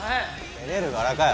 照れる柄かよ。